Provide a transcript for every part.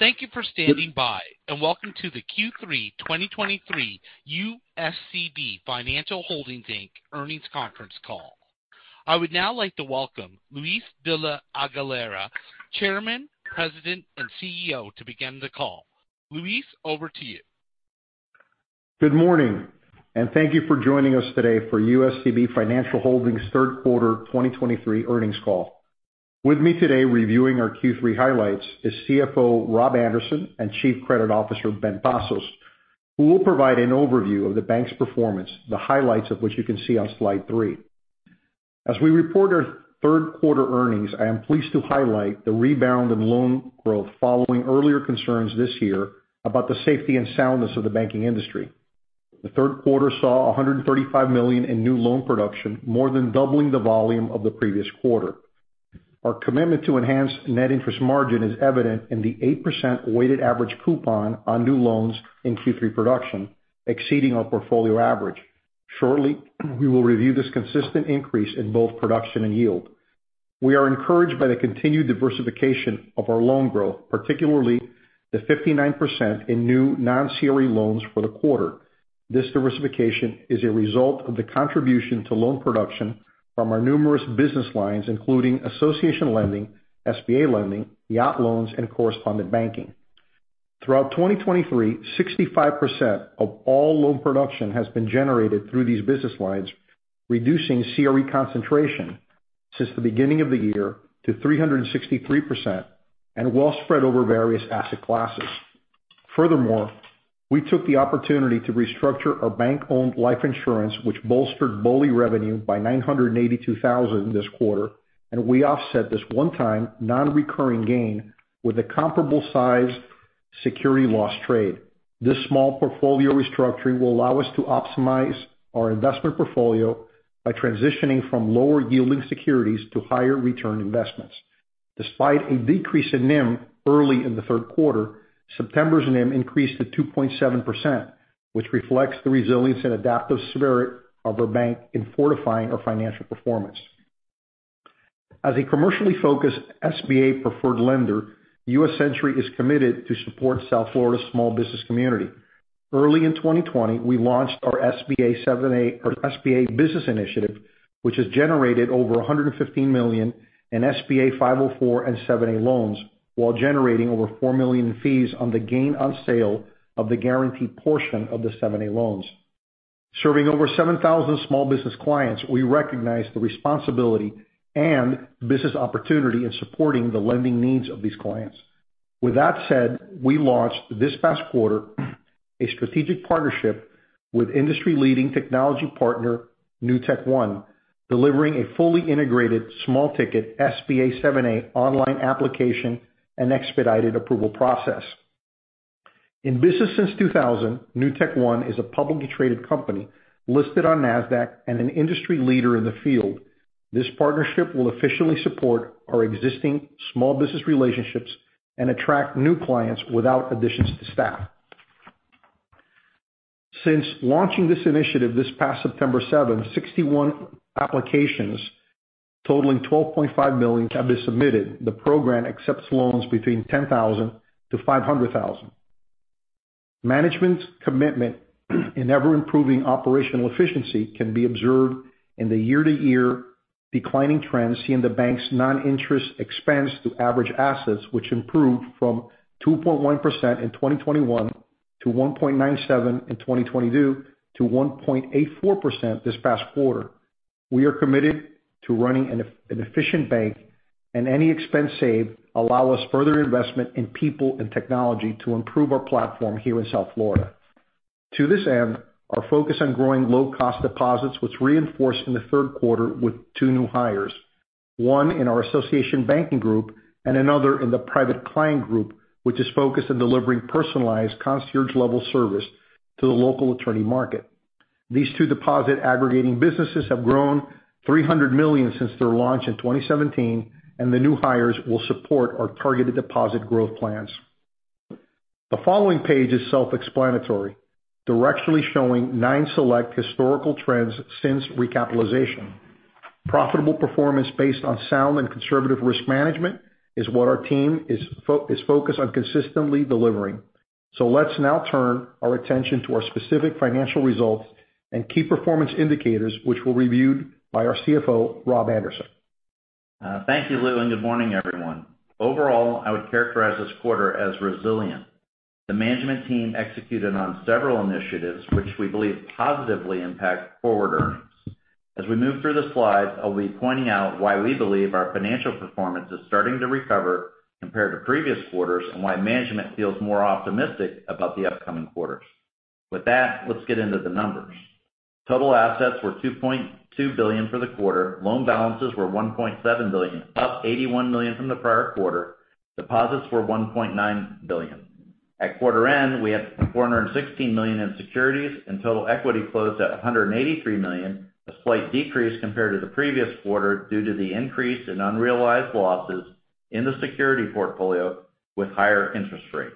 Thank you for standing by, and welcome to the Q3 2023 USCB Financial Holdings, Inc. Earnings Conference Call. I would now like to welcome Luis de la Aguilera, Chairman, President, and CEO, to begin the call. Luis, over to you. Good morning, and thank you for joining us today for USCB Financial Holdings' Third Quarter 2023 Earnings Call. With me today, reviewing our Q3 highlights, is CFO Rob Anderson and Chief Credit Officer Benigno Pazos, who will provide an overview of the bank's performance, the highlights of which you can see on slide three. As we report our third quarter earnings, I am pleased to highlight the rebound in loan growth following earlier concerns this year about the safety and soundness of the banking industry. The third quarter saw $135 million in new loan production, more than doubling the volume of the previous quarter. Our commitment to enhance net interest margin is evident in the 8% weighted average coupon on new loans in Q3 production, exceeding our portfolio average. Shortly, we will review this consistent increase in both production and yield. We are encouraged by the continued diversification of our loan growth, particularly the 59% in new non-CRE loans for the quarter. This diversification is a result of the contribution to loan production from our numerous business lines, including association lending, SBA lending, yacht loans, and correspondent banking. Throughout 2023, 65% of all loan production has been generated through these business lines, reducing CRE concentration since the beginning of the year to 363% and well spread over various asset classes. Furthermore, we took the opportunity to restructure our bank-owned life insurance, which bolstered BOLI revenue by $982,000 this quarter, and we offset this one-time, non-recurring gain with a comparable size security loss trade. This small portfolio restructuring will allow us to optimize our investment portfolio by transitioning from lower-yielding securities to higher-return investments. Despite a decrease in NIM early in the third quarter, September's NIM increased to 2.7%, which reflects the resilience and adaptive spirit of our bank in fortifying our financial performance. As a commercially focused SBA preferred lender, U.S. Century is committed to support South Florida's small business community. Early in 2020, we launched our SBA 7(a)—SBA business initiative, which has generated over $115 million in SBA 504 and 7(a) loans, while generating over $4 million in fees on the gain on sale of the guaranteed portion of the 7(a) loans. Serving over 7,000 small business clients, we recognize the responsibility and business opportunity in supporting the lending needs of these clients. With that said, we launched this past quarter a strategic partnership with industry-leading technology partner, NewtekOne, delivering a fully integrated small-ticket SBA 7(a) online application and expedited approval process. In business since 2000, NewtekOne is a publicly traded company listed on Nasdaq and an industry leader in the field. This partnership will officially support our existing small business relationships and attract new clients without additions to staff. Since launching this initiative this past September 7th, 61 applications totaling $12.5 million have been submitted. The program accepts loans between $10,000–$500,000. Management's commitment in ever-improving operational efficiency can be observed in the year-to-year declining trends, seeing the bank's non-interest expense to average assets, which improved from 2.1% in 2021 to 1.97% in 2022 to 1.84% this past quarter. We are committed to running an efficient bank, and any expense saved allow us further investment in people and technology to improve our platform here in South Florida. To this end, our focus on growing low-cost deposits was reinforced in the third quarter with two new hires, one in our Association Banking Group and another in the Private Client Group, which is focused on delivering personalized concierge-level service to the local attorney market. These two deposit aggregating businesses have grown $300 million since their launch in 2017, and the new hires will support our targeted deposit growth plans. The following page is self-explanatory, directionally showing nine select historical trends since recapitalization. Profitable performance based on sound and conservative risk management is what our team is focused on consistently delivering. Let's now turn our attention to our specific financial results and key performance indicators, which were reviewed by our CFO, Rob Anderson. Thank you, Lou, and good morning, everyone. Overall, I would characterize this quarter as resilient. The management team executed on several initiatives which we believe positively impact forward earnings. As we move through the slides, I'll be pointing out why we believe our financial performance is starting to recover compared to previous quarters, and why management feels more optimistic about the upcoming quarters. With that, let's get into the numbers. Total assets were $2.2 billion for the quarter. Loan balances were $1.7 billion, up $81 million from the prior quarter. Deposits were $1.9 billion. At quarter end, we had $416 million in securities, and total equity closed at $183 million, a slight decrease compared to the previous quarter due to the increase in unrealized losses in the security portfolio with higher interest rates.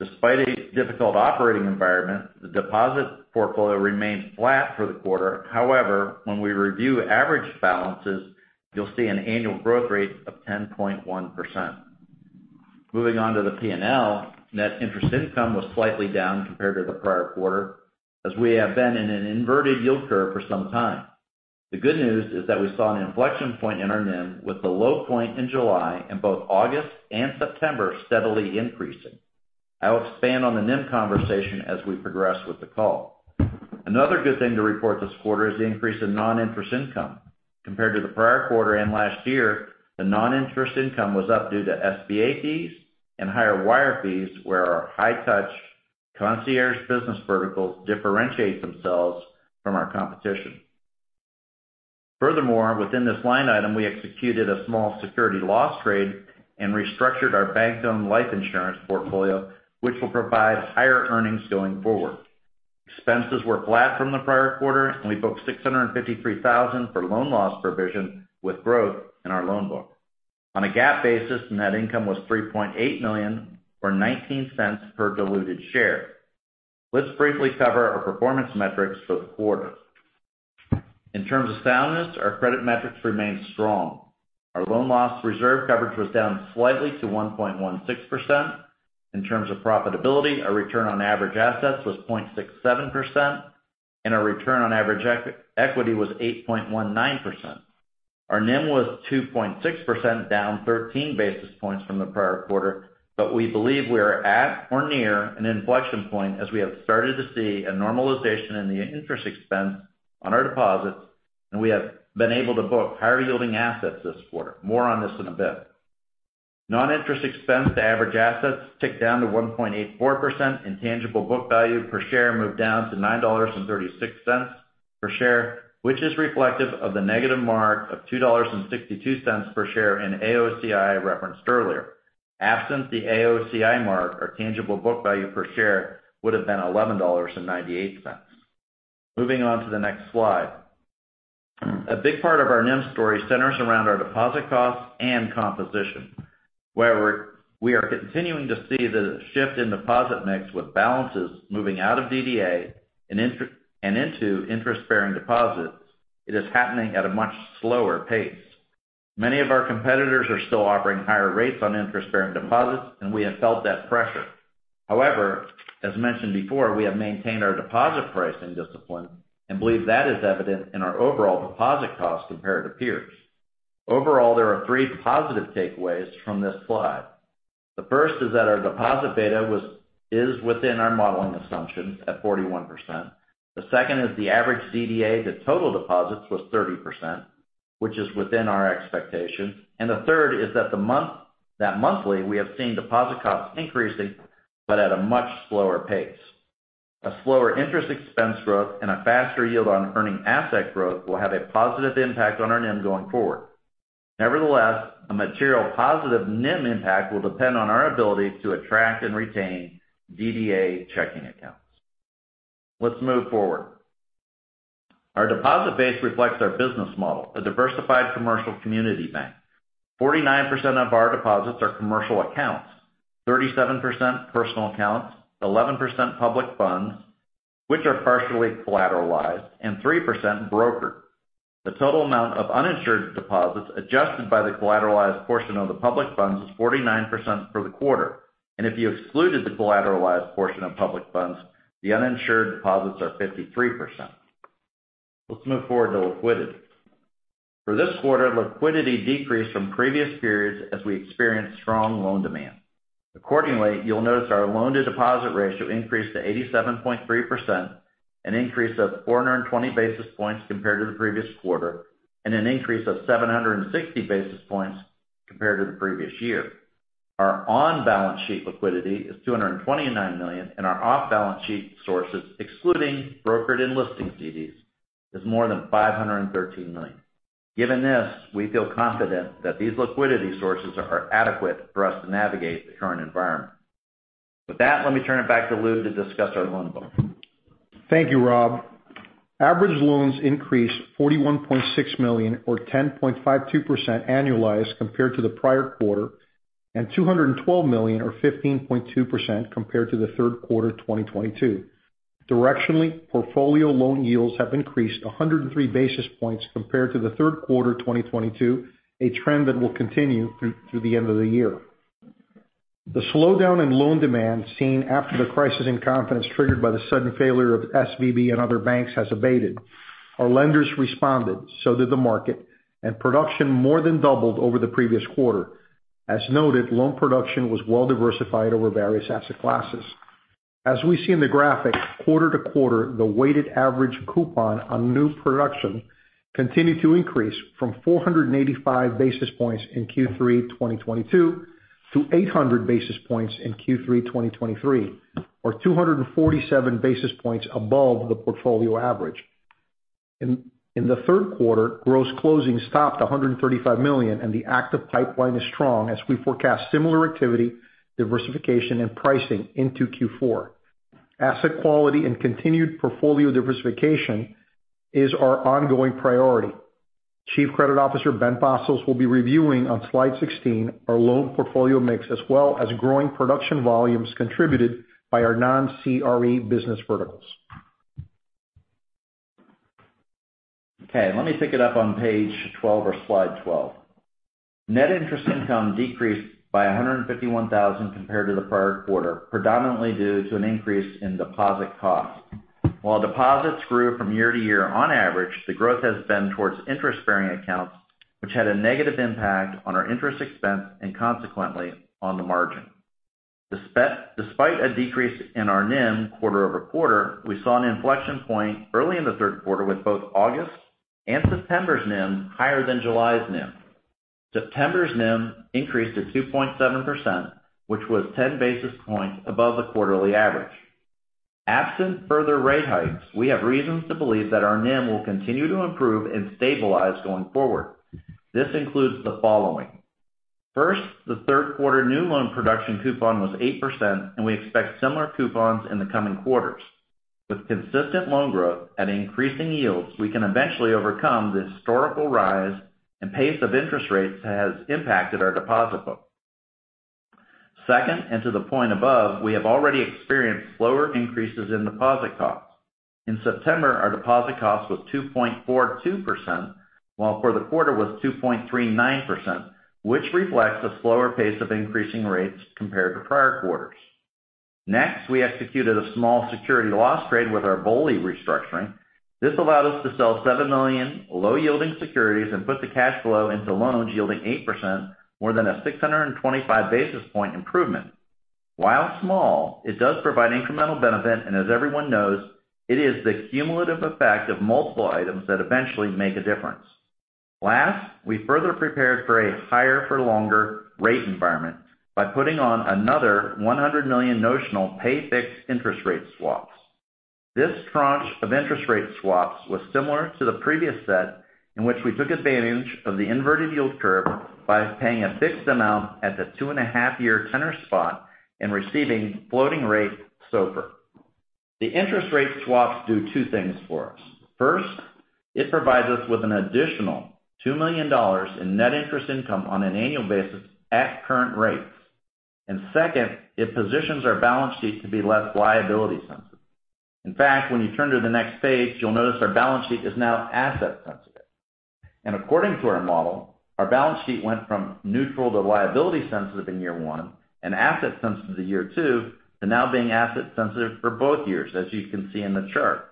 Despite a difficult operating environment, the deposit portfolio remained flat for the quarter. However, when we review average balances, you'll see an annual growth rate of 10.1%. Moving on to the P&L, net interest income was slightly down compared to the prior quarter, as we have been in an inverted yield curve for some time. The good news is that we saw an inflection point in our NIM, with the low point in July, and both August and September steadily increasing. I'll expand on the NIM conversation as we progress with the call. Another good thing to report this quarter is the increase in non-interest income. Compared to the prior quarter and last year, the non-interest income was up due to SBA fees and higher wire fees, where our high-touch concierge business verticals differentiate themselves from our competition. Furthermore, within this line item, we executed a small security loss trade and restructured our bank's own life insurance portfolio, which will provide higher earnings going forward. Expenses were flat from the prior quarter, and we booked $653,000 for loan loss provision, with growth in our loan book. On a GAAP basis, net income was $3.8 million, or $0.19 per diluted share. Let's briefly cover our performance metrics for the quarter. In terms of soundness, our credit metrics remained strong. Our loan loss reserve coverage was down slightly to 1.16%. In terms of profitability, our return on average assets was 0.67%, and our return on average equity was 8.19%. Our NIM was 2.6%, down 13 basis points from the prior quarter, but we believe we are at or near an inflection point, as we have started to see a normalization in the interest expense on our deposits, and we have been able to book higher-yielding assets this quarter. More on this in a bit. Non-interest expense to average assets ticked down to 1.84%, and tangible book value per share moved down to $9.36 per share, which is reflective of the negative mark of $2.62 per share in AOCI, I referenced earlier. Absent the AOCI mark, our tangible book value per share would have been $11.98. Moving on to the next slide. A big part of our NIM story centers around our deposit costs and composition, where we are continuing to see the shift in deposit mix with balances moving out of DDA and into interest-bearing deposits. It is happening at a much slower pace. Many of our competitors are still offering higher rates on interest-bearing deposits, and we have felt that pressure. However, as mentioned before, we have maintained our deposit pricing discipline and believe that is evident in our overall deposit cost compared to peers. Overall, there are three positive takeaways from this slide. The first is that our deposit beta is within our modeling assumptions at 41%. The second is the average DDA to total deposits was 30%, which is within our expectations. The third is that monthly, we have seen deposit costs increasing, but at a much slower pace. A slower interest expense growth and a faster yield on earning asset growth will have a positive impact on our NIM going forward. Nevertheless, a material positive NIM impact will depend on our ability to attract and retain DDA checking accounts. Let's move forward. Our deposit base reflects our business model, a diversified commercial community bank. 49% of our deposits are commercial accounts, 37% personal accounts, 11% public funds, which are partially collateralized, and 3% brokered. The total amount of uninsured deposits, adjusted by the collateralized portion of the public funds, is 49% for the quarter, and if you excluded the collateralized portion of public funds, the uninsured deposits are 53%. Let's move forward to liquidity. For this quarter, liquidity decreased from previous periods as we experienced strong loan demand. Accordingly, you'll notice our loan-to-deposit ratio increased to 87.3%, an increase of 420 basis points compared to the previous quarter, and an increase of 760 basis points compared to the previous year. Our on-balance sheet liquidity is $229 million, and our off-balance sheet sources, excluding brokered and listing CDs, is more than $513 million. Given this, we feel confident that these liquidity sources are adequate for us to navigate the current environment. With that, let me turn it back to Lou to discuss our loan book. Thank you, Rob. Average loans increased $41.6 million or 10.52% annualized compared to the prior quarter, and $212 million or 15.2% compared to the third quarter of 2022. Directionally, portfolio loan yields have increased 103 basis points compared to the third quarter of 2022, a trend that will continue through the end of the year. The slowdown in loan demand seen after the crisis in confidence, triggered by the sudden failure of SVB and other banks, has abated. Our lenders responded, so did the market, and production more than doubled over the previous quarter. As noted, loan production was well diversified over various asset classes. As we see in the graphic, quarter to quarter, the weighted average coupon on new production continued to increase from 485 basis points in Q3 2022, to 800 basis points in Q3 2023, or 247 basis points above the portfolio average. In the third quarter, gross closings topped $135 million, and the active pipeline is strong as we forecast similar activity, diversification, and pricing into Q4. Asset quality and continued portfolio diversification is our ongoing priority. Chief Credit Officer, Benigno Pazos, will be reviewing on slide 16, our loan portfolio mix, as well as growing production volumes contributed by our non-CRE business verticals. Okay, let me pick it up on page 12 or slide 12. Net interest income decreased by $151,000 compared to the prior quarter, predominantly due to an increase in deposit costs. While deposits grew year-over-year, on average, the growth has been towards interest-bearing accounts, which had a negative impact on our interest expense and consequently, on the margin. Despite a decrease in our NIM quarter-over-quarter, we saw an inflection point early in the third quarter, with both August and September's NIM higher than July's NIM. September's NIM increased to 2.7%, which was 10 basis points above the quarterly average. Absent further rate hikes, we have reasons to believe that our NIM will continue to improve and stabilize going forward. This includes the following: First, the third quarter new loan production coupon was 8%, and we expect similar coupons in the coming quarters. With consistent loan growth at increasing yields, we can eventually overcome the historical rise and pace of interest rates that has impacted our deposit book. Second, and to the point above, we have already experienced slower increases in deposit costs. In September, our deposit cost was 2.42%, while for the quarter was 2.39%, which reflects a slower pace of increasing rates compared to prior quarters. Next, we executed a small security loss trade with our BOLI restructuring. This allowed us to sell $7 million low-yielding securities and put the cash flow into loans yielding 8%, more than a 625 basis point improvement. While small, it does provide incremental benefit, and as everyone knows, it is the cumulative effect of multiple items that eventually make a difference. Last, we further prepared for a higher for longer rate environment by putting on another $100 million notional pay fixed interest rate swaps. This tranche of interest rate swaps was similar to the previous set, in which we took advantage of the inverted yield curve by paying a fixed amount at the 2.5-year tenor spot and receiving floating rate SOFR. The interest rate swaps do 2 things for us. First, it provides us with an additional $2 million in net interest income on an annual basis at current rates. And second, it positions our balance sheet to be less liability sensitive. In fact, when you turn to the next page, you'll notice our balance sheet is now asset sensitive. According to our model, our balance sheet went from neutral to liability sensitive in year one and asset sensitive to year two, to now being asset sensitive for both years, as you can see in the chart.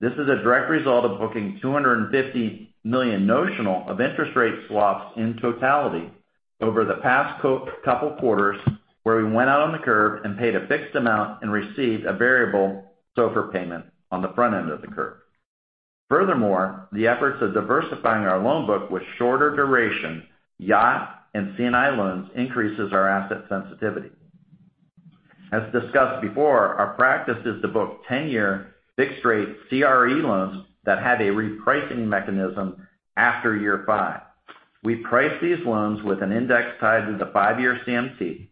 This is a direct result of booking $250 million notional of interest rate swaps in totality over the past couple quarters, where we went out on the curve and paid a fixed amount and received a variable SOFR payment on the front end of the curve. Furthermore, the efforts of diversifying our loan book with shorter duration, yacht and C&I loans increases our asset sensitivity. As discussed before, our practice is to book 10-year fixed rate CRE loans that have a repricing mechanism after year five. We price these loans with an index tied to the five-year CMT,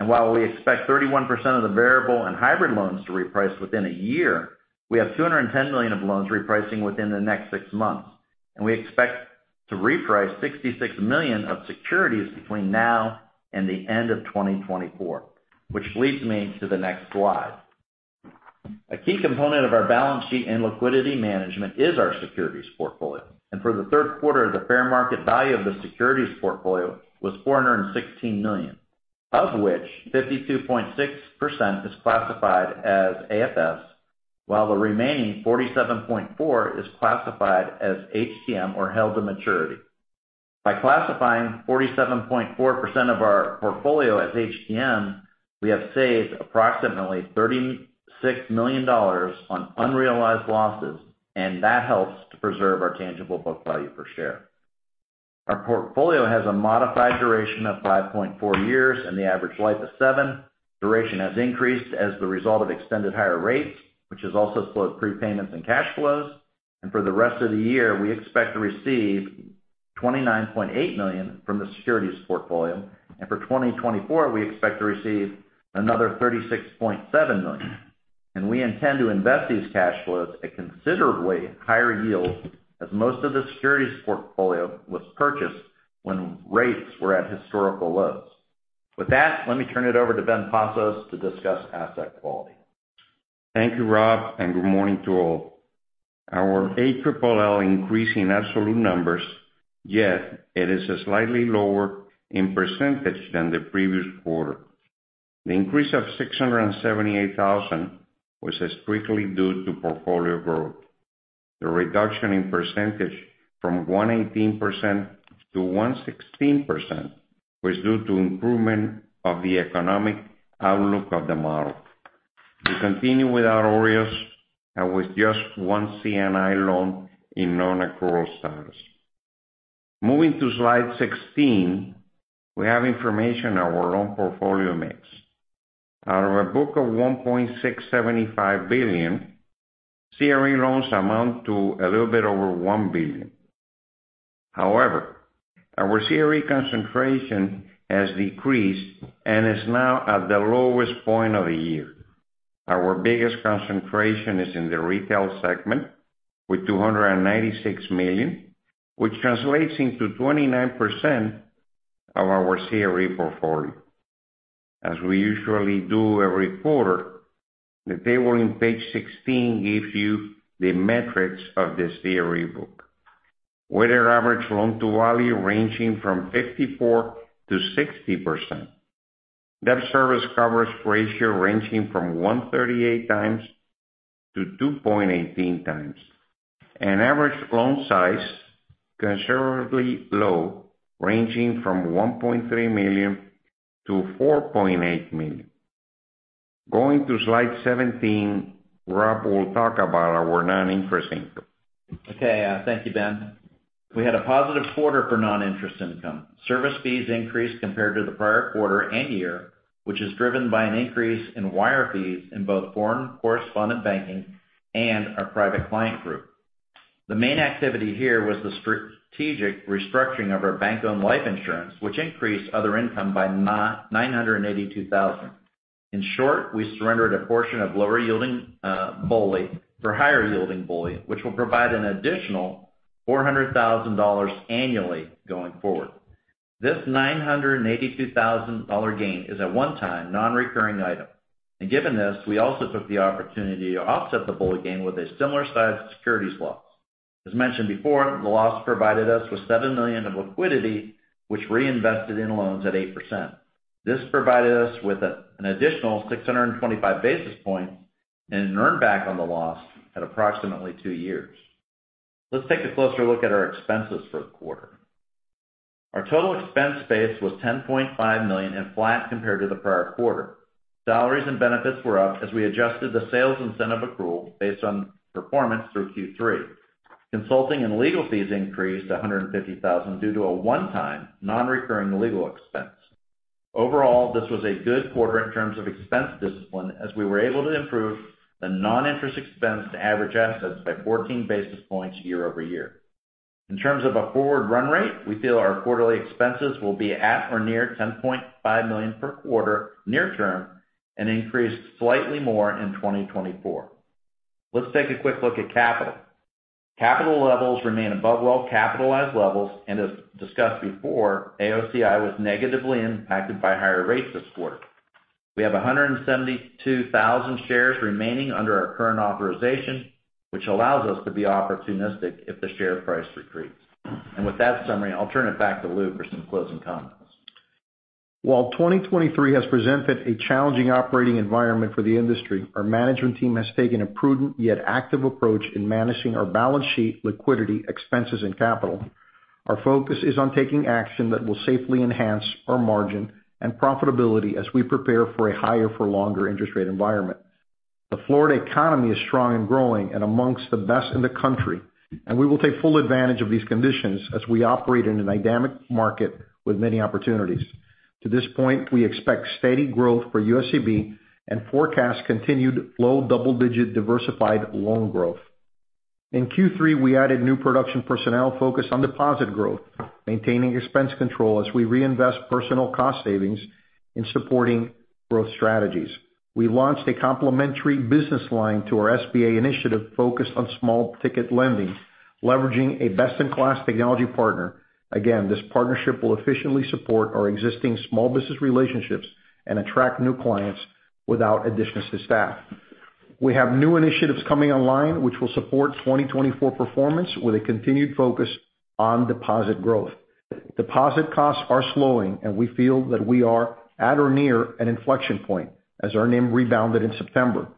and while we expect 31% of the variable and hybrid loans to reprice within a year, we have $210 million of loans repricing within the next six months, and we expect to reprice $66 million of securities between now and the end of 2024, which leads me to the next slide. A key component of our balance sheet and liquidity management is our securities portfolio, and for the third quarter, the fair market value of the securities portfolio was $416 million, of which 52.6% is classified as AFS, while the remaining 47.4% is classified as HTM, or held to maturity. By classifying 47.4% of our portfolio as HTM, we have saved approximately $36 million on unrealized losses, and that helps to preserve our tangible book value per share. Our portfolio has a modified duration of 5.4 years, and the average life is seven. Duration has increased as the result of extended higher rates, which has also slowed prepayments and cash flows. For the rest of the year, we expect to receive $29.8 million from the securities portfolio. For 2024, we expect to receive another $36.7 million. We intend to invest these cash flows at considerably higher yields, as most of the securities portfolio was purchased when rates were at historical lows. With that, let me turn it over to Benigno Pazos to discuss asset quality. Thank you, Rob, and good morning to all. Our ALLL increasing absolute numbers, yet it is slightly lower in percentage than the previous quarter. The increase of $678,000 was strictly due to portfolio growth. The reduction in percentage from 1.18% to 1.16% was due to improvement of the economic outlook of the model. We continue with our OREO and with just one C&I loan in non-accrual status. Moving to slide 16, we have information on our loan portfolio mix. Out of a book of $1.675 billion, CRE loans amount to a little bit over $1 billion. However, our CRE concentration has decreased and is now at the lowest point of the year. Our biggest concentration is in the retail segment, with $296 million, which translates into 29% of our CRE portfolio. As we usually do every quarter, the table in page 16 gives you the metrics of this CRE book. Weighted average loan to value ranging from 54%-60%. Debt service coverage ratio ranging from 1.38x-2.18x. An average loan size considerably low, ranging from $1.3 million-$4.8 million. Going to slide 17, Rob will talk about our non-interest income. Okay, thank you, Ben. We had a positive quarter for non-interest income. Service fees increased compared to the prior quarter and year, which is driven by an increase in wire fees in both foreign correspondent banking and our private client group. The main activity here was the strategic restructuring of our bank-owned life insurance, which increased other income by $982,000. In short, we surrendered a portion of lower-yielding BOLI for higher-yielding BOLI, which will provide an additional $400,000 annually going forward. This $982,000 gain is a one-time, non-recurring item, and given this, we also took the opportunity to offset the BOLI gain with a similar size securities loss. As mentioned before, the loss provided us with $7 million of liquidity, which reinvested in loans at 8%. This provided us with an additional 625 basis points and an earn back on the loss at approximately two years. Let's take a closer look at our expenses for the quarter. Our total expense base was $10.5 million and flat compared to the prior quarter. Salaries and benefits were up as we adjusted the sales incentive accrual based on performance through Q3. Consulting and legal fees increased to $150,000 due to a one-time, non-recurring legal expense. Overall, this was a good quarter in terms of expense discipline, as we were able to improve the non-interest expense to average assets by 14 basis points year-over-year. In terms of a forward run rate, we feel our quarterly expenses will be at or near $10.5 million per quarter near term and increase slightly more in 2024. Let's take a quick look at capital. Capital levels remain above well-capitalized levels, and as discussed before, AOCI was negatively impacted by higher rates this quarter. We have 172,000 shares remaining under our current authorization, which allows us to be opportunistic if the share price retreats. And with that summary, I'll turn it back to Lou for some closing comments. While 2023 has presented a challenging operating environment for the industry, our management team has taken a prudent yet active approach in managing our balance sheet, liquidity, expenses, and capital. Our focus is on taking action that will safely enhance our margin and profitability as we prepare for a higher for longer interest rate environment. The Florida economy is strong and growing and among the best in the country, and we will take full advantage of these conditions as we operate in a dynamic market with many opportunities. To this point, we expect steady growth for USCB and forecast continued low double-digit diversified loan growth. In Q3, we added new production personnel focused on deposit growth, maintaining expense control as we reinvest personal cost savings in supporting growth strategies. We launched a complementary business line to our SBA initiative focused on small ticket lending, leveraging a best-in-class technology partner. Again, this partnership will efficiently support our existing small business relationships and attract new clients without additions to staff. We have new initiatives coming online, which will support 2024 performance with a continued focus on deposit growth. Deposit costs are slowing, and we feel that we are at or near an inflection point as our NIM rebounded in September.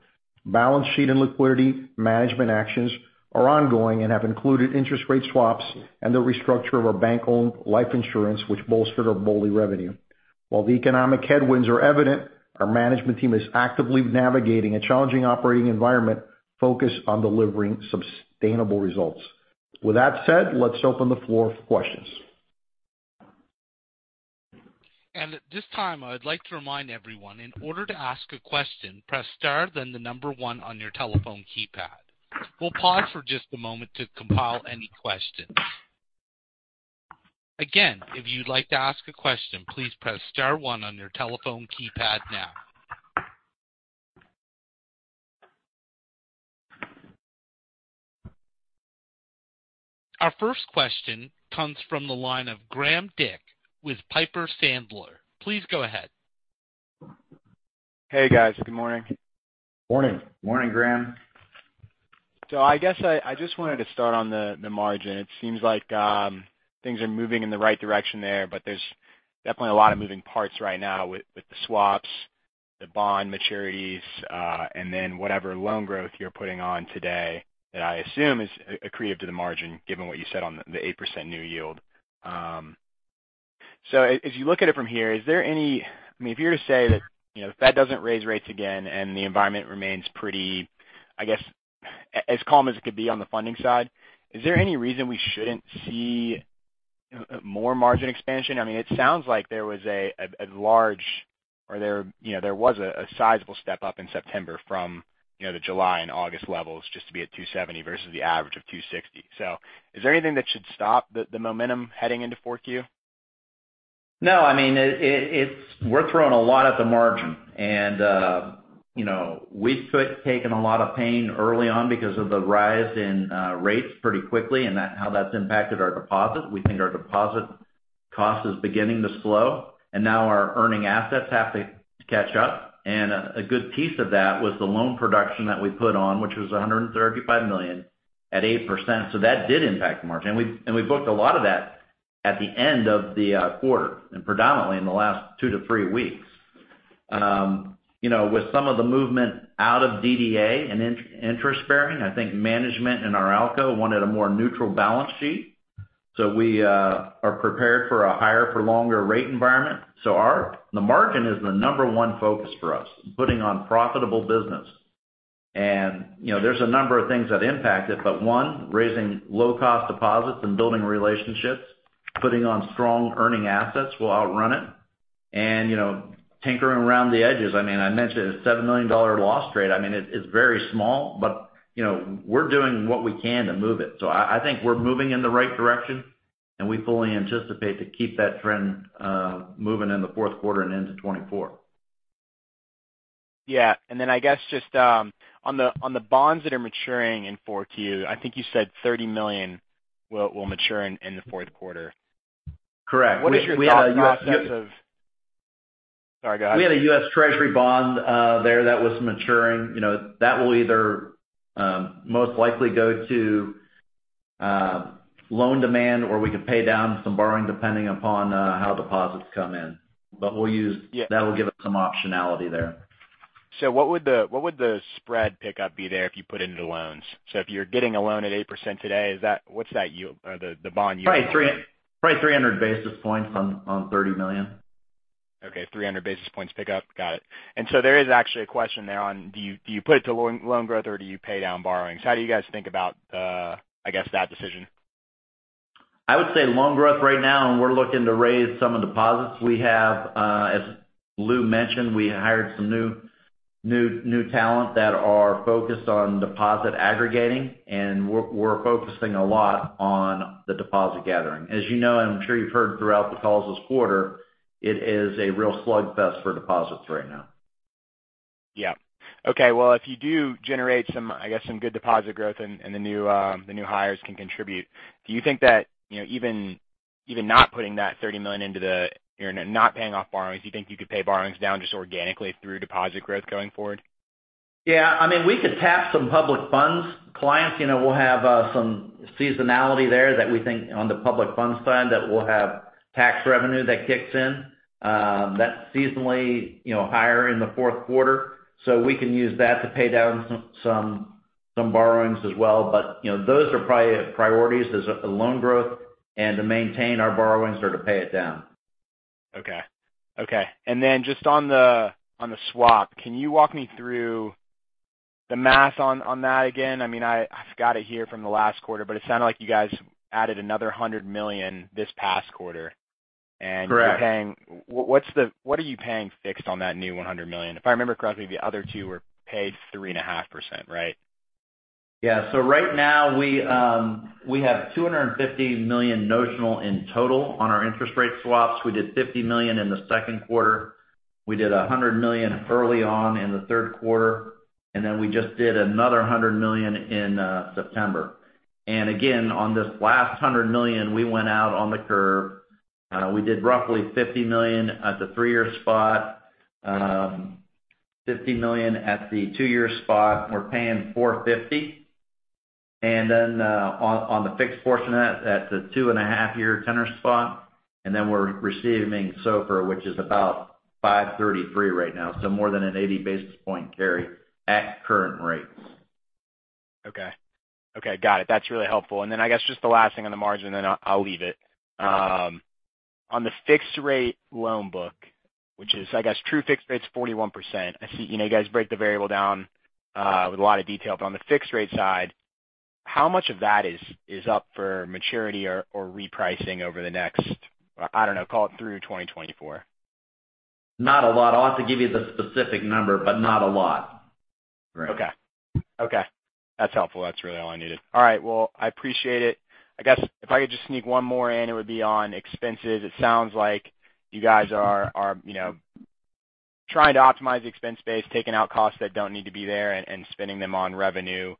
Balance sheet and liquidity management actions are ongoing and have included interest rate swaps and the restructure of our bank-owned life insurance, which bolstered our BOLI revenue. While the economic headwinds are evident, our management team is actively navigating a challenging operating environment focused on delivering sustainable results. With that said, let's open the floor for questions. At this time, I'd like to remind everyone, in order to ask a question, press star, then the number one on your telephone keypad. We'll pause for just a moment to compile any questions. Again, if you'd like to ask a question, please press star one on your telephone keypad now. Our first question comes from the line of Graham Dick with Piper Sandler. Please go ahead. Hey, guys. Good morning. Morning. Morning, Graham. So I guess I just wanted to start on the margin. It seems like things are moving in the right direction there, but there's definitely a lot of moving parts right now with the swaps, the bond maturities, and then whatever loan growth you're putting on today, that I assume is accretive to the margin, given what you said on the 8% new yield. So as you look at it from here, is there any—I mean, if you were to say that, you know, the Fed doesn't raise rates again, and the environment remains pretty, I guess, as calm as it could be on the funding side, is there any reason we shouldn't see more margin expansion? I mean, it sounds like there was a sizable step up in September from, you know, the July and August levels just to be at 270 versus the average of 260. So is there anything that should stop the momentum heading into fourth Q? No, I mean, it's, we're throwing a lot at the margin. And, you know, we've taken a lot of pain early on because of the rise in rates pretty quickly and that, how that's impacted our deposit. We think our deposit cost is beginning to slow, and now our earning assets have to catch up. And a good piece of that was the loan production that we put on, which was $135 million at 8%. So that did impact the margin. And we, and we booked a lot of that at the end of the quarter and predominantly in the last two to three weeks. You know, with some of the movement out of DDA and interest bearing, I think management and our ALCO wanted a more neutral balance sheet. So we are prepared for a higher-for-longer rate environment. So our—the margin is the number one focus for us, putting on profitable business. And, you know, there's a number of things that impact it, but one, raising low-cost deposits and building relationships, putting on strong earning assets will outrun it. And, you know, tinkering around the edges, I mean, I mentioned a $7 million loss rate. I mean, it, it's very small, but, you know, we're doing what we can to move it. So I think we're moving in the right direction, and we fully anticipate to keep that trend moving in the fourth quarter and into 2024. Yeah. And then I guess just on the bonds that are maturing in 4Q, I think you said $30 million will mature in the fourth quarter. Correct. What is your thought process of? We had a US. Sorry, guys. We had a U.S. Treasury bond there that was maturing. You know, that will either most likely go to loan demand, or we could pay down some borrowing, depending upon how deposits come in. But we'll use—that will give us some optionality there. So what would the spread pickup be there if you put it into loans? So if you're getting a loan at 8% today, what's that yield or the bond yield? Probably 300 basis points on $30 million. Okay, 300 basis points pickup. Got it. And so there is actually a question there on, do you, do you put it to loan, loan growth, or do you pay down borrowings? How do you guys think about, I guess, that decision? I would say loan growth right now, and we're looking to raise some of the deposits. We have, as Lou mentioned, we hired some new talent that are focused on deposit aggregating, and we're focusing a lot on the deposit gathering. As you know, and I'm sure you've heard throughout the calls this quarter, it is a real slug fest for deposits right now. Yeah. Okay, well, if you do generate some, I guess, some good deposit growth and the new hires can contribute, do you think that, you know, even not putting that $30 million into the, you know, not paying off borrowings, do you think you could pay borrowings down just organically through deposit growth going forward? Yeah. I mean, we could tap some public funds. Clients, you know, we'll have some seasonality there that we think on the public funds side, that we'll have tax revenue that kicks in. That's seasonally, you know, higher in the fourth quarter, so we can use that to pay down some borrowings as well. But, you know, those are priorities, is the loan growth and to maintain our borrowings or to pay it down. Okay. Okay. Then just on the, on the swap, can you walk me through the math on that again? I mean, I've got it here from the last quarter, but it sounded like you guys added another $100 million this past quarter. Correct. What are you paying fixed on that new $100 million? If I remember correctly, the other two were paid 3.5%, right? Yeah. So right now we, we have $250 million notional in total on our interest rate swaps. We did $50 million in the second quarter. We did $100 million early on in the third quarter, and then we just did another $100 million in September. And again, on this last $100 million, we went out on the curve. We did roughly $50 million at the three-year spot, $50 million at the two-year spot. We're paying 4.50%. And then, on the fixed portion of that, at the 2.5-year tenor spot, and then we're receiving SOFR, which is about 5.33% right now, so more than an 80 basis point carry at current rates. Okay. Okay, got it. That's really helpful. And then I guess just the last thing on the margin, then I'll leave it. On the fixed rate loan book, which is, I guess, true fixed rate is 41%. I see, you know, you guys break the variable down with a lot of detail, but on the fixed rate side, how much of that is up for maturity or repricing over the next, I don't know, call it through 2024? Not a lot. I'll have to give you the specific number, but not a lot. Right. Okay. Okay, that's helpful. That's really all I needed. All right, well, I appreciate it. I guess if I could just sneak one more in, it would be on expenses. It sounds like you guys are, you know, trying to optimize the expense base, taking out costs that don't need to be there and spending them on revenue,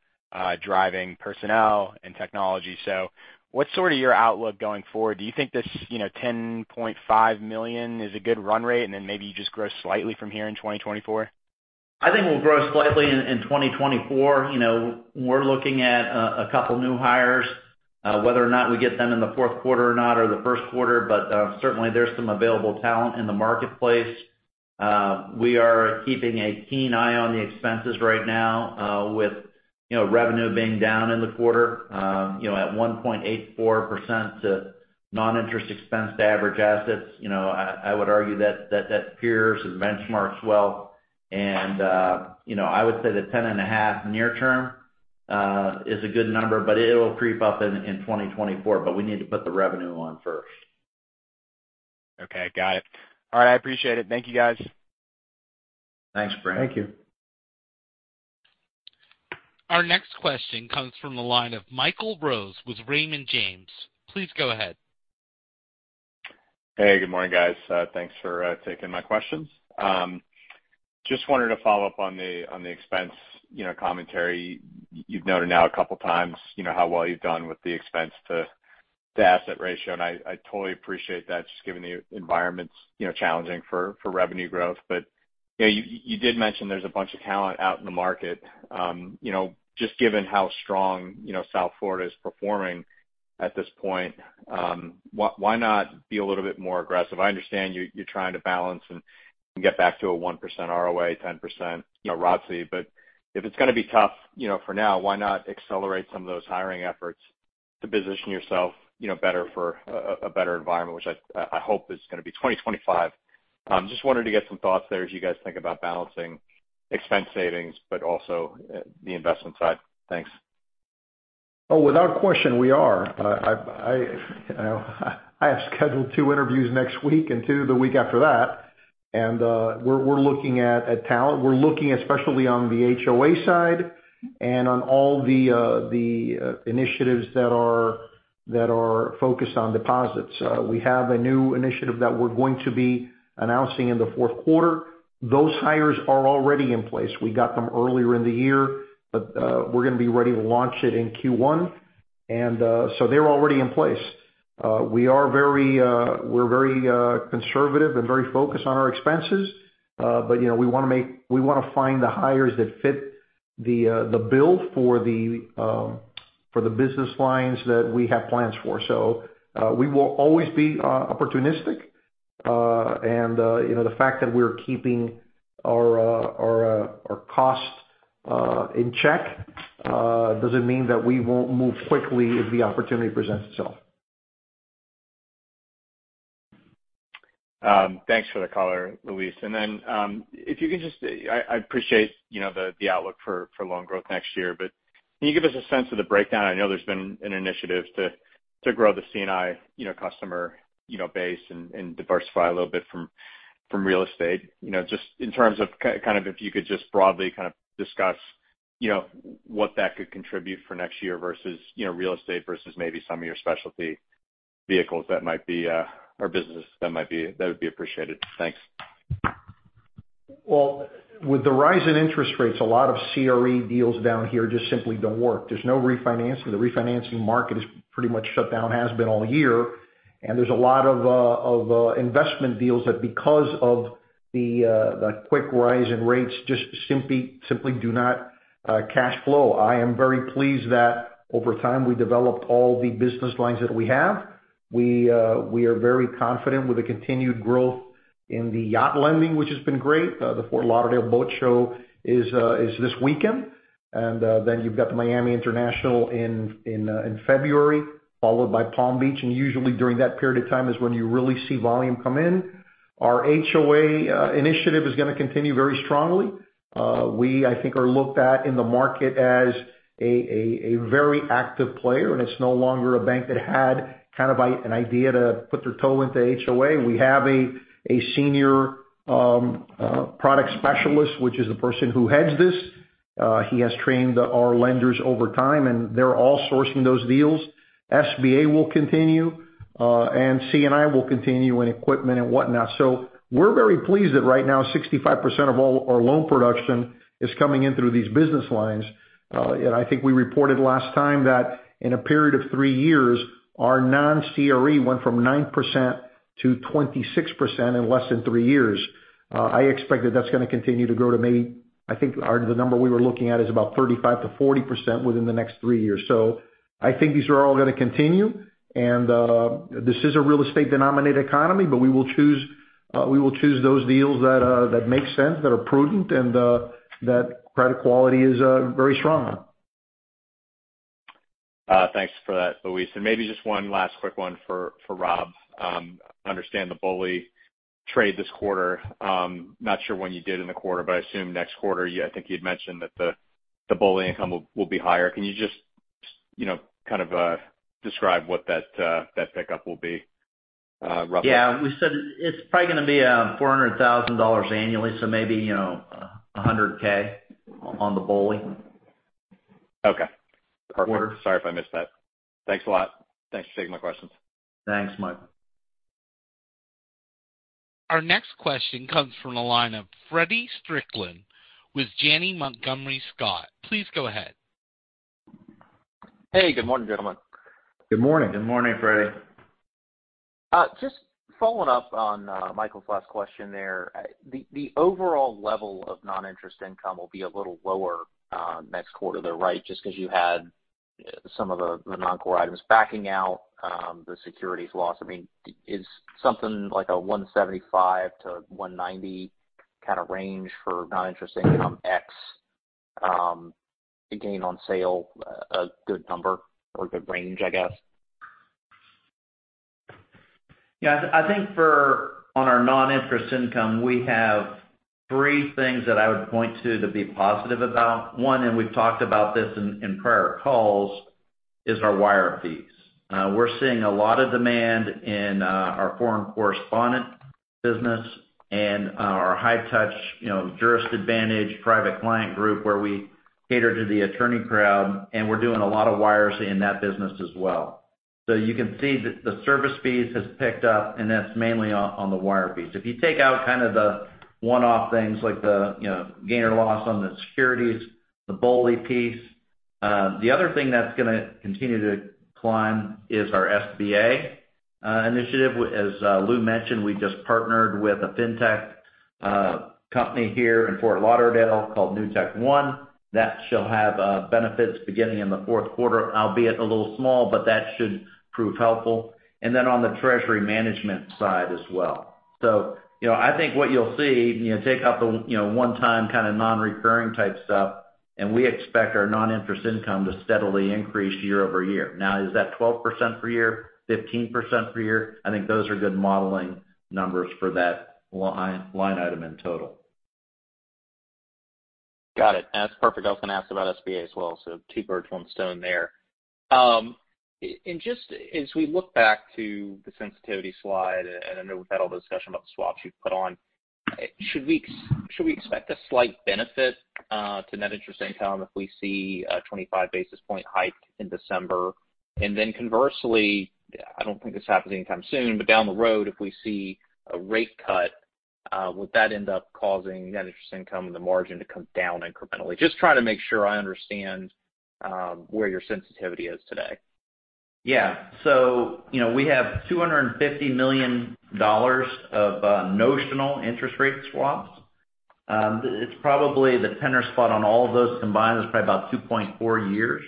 driving personnel and technology. So what's sort of your outlook going forward? Do you think this, you know, $10.5 million is a good run rate, and then maybe you just grow slightly from here in 2024? I think we'll grow slightly in 2024. You know, we're looking at a couple new hires, whether or not we get them in the fourth quarter or the first quarter, but certainly there's some available talent in the marketplace. We are keeping a keen eye on the expenses right now, with, you know, revenue being down in the quarter, you know, at 1.84% to non-interest expense to average assets. You know, I would argue that peers and benchmarks well, and, you know, I would say that $10.5 million near term is a good number, but it will creep up in 2024, but we need to put the revenue on first. Okay, got it. All right, I appreciate it. Thank you, guys. Thanks, Graham. Thank you. Our next question comes from the line of Michael Rose with Raymond James. Please go ahead. Hey, good morning, guys. Thanks for taking my questions. Just wanted to follow up on the expense, you know, commentary. You've noted now a couple times, you know, how well you've done with the expense to the asset ratio, and I totally appreciate that, just given the environment's, you know, challenging for revenue growth. But, you know, you did mention there's a bunch of talent out in the market. Just given how strong, you know, South Florida is performing at this point, why not be a little bit more aggressive? I understand you're trying to balance and get back to a 1% ROA, 10% you know, ROTSE. But if it's gonna be tough, you know, for now, why not accelerate some of those hiring efforts to position yourself, you know, better for a better environment, which I hope is gonna be 2025? Just wanted to get some thoughts there as you guys think about balancing expense savings, but also the investment side. Thanks. Oh, without question, we are. I have scheduled two interviews next week and two the week after that, and we're looking at talent. We're looking especially on the HOA side and on all the initiatives that are focused on deposits. We have a new initiative that we're going to be announcing in the fourth quarter. Those hires are already in place. We got them earlier in the year, but we're gonna be ready to launch it in Q1, and so they're already in place. We are very conservative and very focused on our expenses, but you know, we wanna find the hires that fit the bill for the business lines that we have plans for. We will always be opportunistic, and, you know, the fact that we're keeping our costs in check doesn't mean that we won't move quickly if the opportunity presents itself. Thanks for the color, Luis. And then, if you can just—I appreciate, you know, the outlook for loan growth next year, but can you give us a sense of the breakdown? I know there's been an initiative to grow the C&I, you know, customer base and diversify a little bit from real estate. You know, just in terms of kind of if you could just broadly kind of discuss, you know, what that could contribute for next year versus real estate versus maybe some of your specialty vehicles that might be or businesses that might be. That would be appreciated. Thanks. Well, with the rise in interest rates, a lot of CRE deals down here just simply don't work. There's no refinancing. The refinancing market is pretty much shut down, has been all year, and there's a lot of investment deals that, because of the quick rise in rates, just simply do not cash flow. I am very pleased that over time, we developed all the business lines that we have. We are very confident with the continued growth in the yacht lending, which has been great. The Fort Lauderdale Boat Show is this weekend, and then you've got the Miami International in February, followed by Palm Beach. Usually during that period of time is when you really see volume come in. Our HOA initiative is gonna continue very strongly. We, I think, are looked at in the market as a very active player, and it's no longer a bank that had an idea to put their toe into HOA. We have a senior product specialist, which is the person who heads this. He has trained our lenders over time, and they're all sourcing those deals. SBA will continue, and C&I will continue, and equipment and whatnot. So we're very pleased that right now, 65% of all our loan production is coming in through these business lines. I think we reported last time that in a period of three years, our non-CRE went from 9% to 26% in less than three years. I expect that that's gonna continue to grow to maybe, I think, our—the number we were looking at is about 35%-40% within the next tjreeyears. So I think these are all gonna continue, and, this is a real estate-denominated economy, but we will choose, we will choose those deals that, that make sense, that are prudent, and, that credit quality is, very strong. Thanks for that, Luis. And maybe just one last quick one for Rob. I understand the BOLI trade this quarter. Not sure when you did in the quarter, but I assume next quarter. You, I think you'd mentioned that the BOLI income will be higher. Can you just, you know, kind of describe what that pickup will be, roughly? Yeah. We said it's probably gonna be $400,000 annually, so maybe, you know, $100,000 on the BOLI. Okay. Perfect. Quarter. Sorry if I missed that. Thanks a lot. Thanks for taking my questions. Thanks, Michael. Our next question comes from the line of Feddie Strickland with Janney Montgomery Scott. Please go ahead. Hey, good morning, gentlemen. Good morning. Good morning, Feddie. Just following up on Michael's last question there. The overall level of non-interest income will be a little lower next quarter, though, right? Just because you had some of the non-core items backing out, the securities loss. I mean, is something like a $175–$190 kind of range for non-interest income ex gains on sale a good number or a good range, I guess? Yeah, I think for, on our non-interest income, we have three things that I would point to, to be positive about. One, and we've talked about this in prior calls, is our wire fees. We're seeing a lot of demand in our foreign correspondent business and our high touch, you know, Jurist Advantage Private Client Group, where we cater to the attorney crowd, and we're doing a lot of wires in that business as well. So you can see that the service fees has picked up, and that's mainly on the wire fees. If you take out kind of the one-off things like the, you know, gain or loss on the securities, the BOLI piece, the other thing that's gonna continue to climb is our SBA initiative. As Lou mentioned, we just partnered with a fintech company here in Fort Lauderdale called NewtekOne. That shall have benefits beginning in the fourth quarter, albeit a little small, but that should prove helpful, and then on the treasury management side as well. So, you know, I think what you'll see, you know, take out the, you know, one-time kind of non-recurring type stuff, and we expect our non-interest income to steadily increase year-over-year. Now, is that 12% per year? 15% per year? I think those are good modeling numbers for that line, line item in total. Got it. That's perfect. I was gonna ask about SBA as well, so two birds, one stone there. And just as we look back to the sensitivity slide, and I know we've had all the discussion about the swaps you've put on, should we expect a slight benefit to net interest income if we see a 25 basis point hike in December? And then conversely, I don't think this happens anytime soon, but down the road, if we see a rate cut, would that end up causing net interest income and the margin to come down incrementally? Just trying to make sure I understand where your sensitivity is today. Yeah. So, you know, we have $250 million of notional interest rate swaps. It's probably the tenor spot on all of those combined is probably about 2.4 years.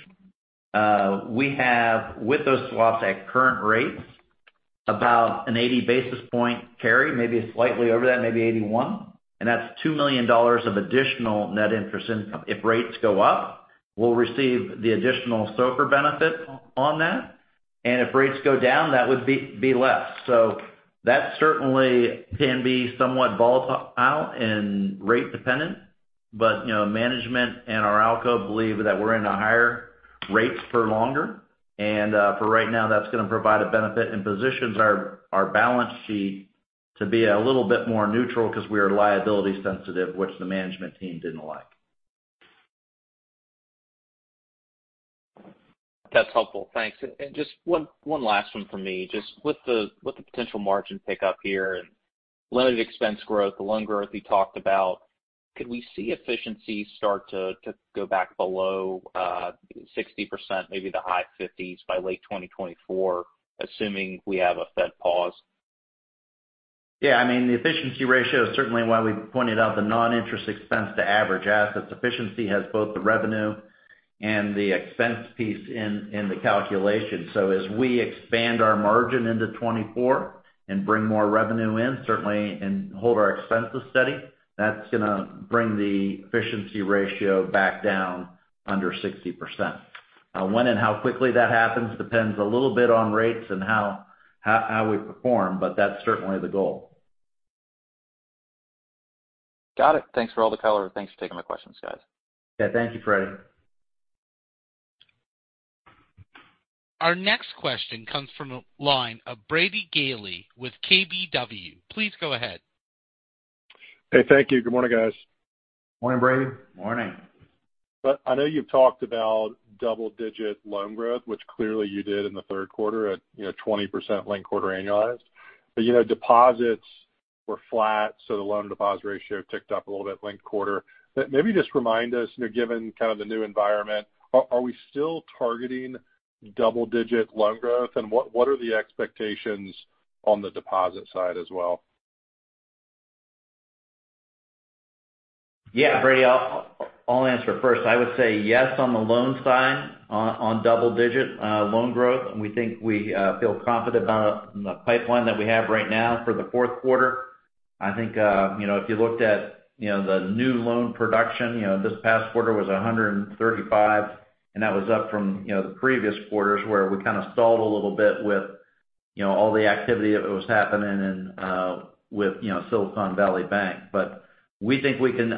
We have—with those swaps at current rates, about an 80 basis point carry, maybe slightly over that, maybe 81, and that's $2 million of additional net interest income. If rates go up, we'll receive the additional SOFR benefit on that, and if rates go down, that would be less. So that certainly can be somewhat volatile and rate dependent, but, you know, management and our ALCO believe that we're in a higher rates for longer. And, for right now, that's gonna provide a benefit and positions our balance sheet to be a little bit more neutral because we are liability sensitive, which the management team didn't like. That's helpful. Thanks. Just one last one for me. Just with the potential margin pick up here and limited expense growth, the loan growth you talked about, could we see efficiencies start to go back below 60%, maybe the high 50s by late 2024, assuming we have a Fed pause? Yeah, I mean, the efficiency ratio is certainly why we pointed out the non-interest expense to average assets. Efficiency has both the revenue and the expense piece in the calculation. So as we expand our margin into 2024 and bring more revenue in, certainly, and hold our expenses steady, that's gonna bring the efficiency ratio back down under 60%. When and how quickly that happens depends a little bit on rates and how we perform, but that's certainly the goal. Got it. Thanks for all the color. Thanks for taking my questions, guys. Yeah, thank you, Feddie. Our next question comes from the line of Brady Gailey with KBW. Please go ahead. Hey, thank you. Good morning, guys. Morning, Brady. Morning. But I know you've talked about double-digit loan growth, which clearly you did in the third quarter at, you know, 20% linked quarter annualized. But, you know, deposits were flat, so the loan-to-deposit ratio ticked up a little bit linked quarter. But maybe just remind us, you know, given kind of the new environment, are we still targeting double-digit loan growth, and what are the expectations on the deposit side as well? Yeah, Brady, I'll answer it first. I would say yes, on the loan side. On double-digit loan growth, we think we feel confident about it from the pipeline that we have right now for the fourth quarter. I think, you know, if you looked at, you know, the new loan production, you know, this past quarter was $135 million, and that was up from, you know, the previous quarters, where we kind of stalled a little bit with, you know, all the activity that was happening and, you know, Silicon Valley Bank. We think we can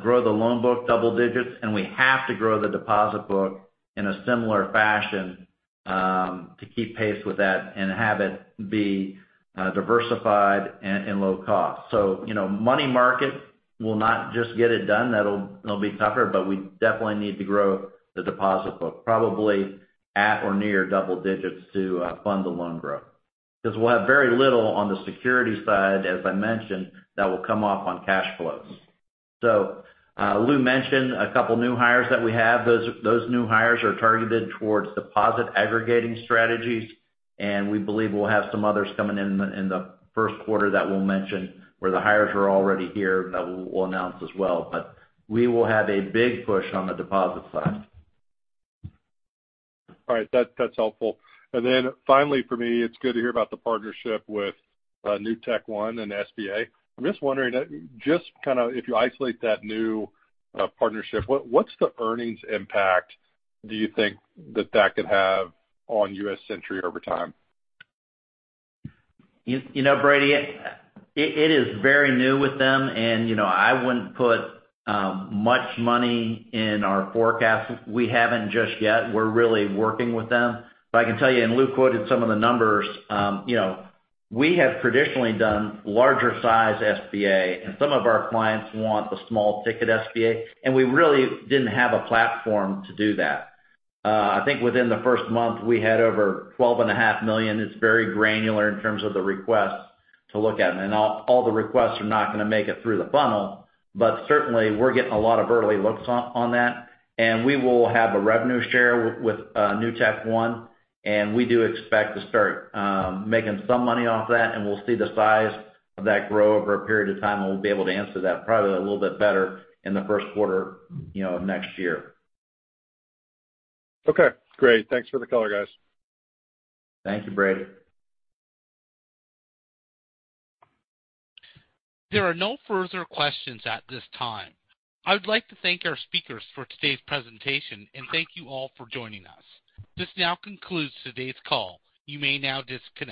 grow the loan book double digits, and we have to grow the deposit book in a similar fashion to keep pace with that and have it be diversified and low cost. So, you know, money market will not just get it done. It'll be tougher, but we definitely need to grow the deposit book, probably at or near double digits, to fund the loan growth. Because we'll have very little on the security side, as I mentioned, that will come off on cash flows. So, Lou mentioned a couple new hires that we have. Those new hires are targeted towards deposit aggregating strategies, and we believe we'll have some others coming in in the first quarter that we'll mention, where the hires are already here, that we'll announce as well. But we will have a big push on the deposit side. All right. That’s helpful. And then finally, for me, it's good to hear about the partnership with NewtekOne and SBA. I'm just wondering, just kind of if you isolate that new partnership, what's the earnings impact do you think that that could have on U.S. Century over time? You know, Brady, it is very new with them, and, you know, I wouldn't put much money in our forecast. We haven't just yet. We're really working with them. But I can tell you, and Lou quoted some of the numbers, you know, we have traditionally done larger size SBA, and some of our clients want a small ticket SBA, and we really didn't have a platform to do that. I think within the first month, we had over $12.5 million. It's very granular in terms of the requests to look at, and not all the requests are not gonna make it through the funnel, but certainly, we're getting a lot of early looks on that, and we will have a revenue share with NewtekOne, and we do expect to start making some money off that, and we'll see the size of that grow over a period of time, and we'll be able to answer that probably a little bit better in the first quarter, you know, next year. Okay, great. Thanks for the color, guys. Thank you, Brady. There are no further questions at this time. I would like to thank our speakers for today's presentation, and thank you all for joining us. This now concludes today's call. You may now disconnect.